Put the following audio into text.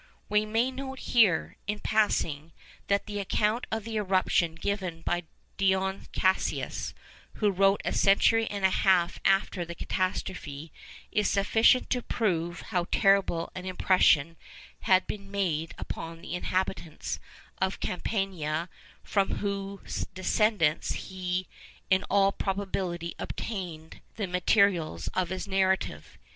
We may note here, in passing, that the account of the eruption given by Dion Cassius, who wrote a century and a half after the catastrophe, is sufficient to prove how terrible an impression had been made upon the inhabitants of Campania, from whose descendants he in all probability obtained the materials of his narrative.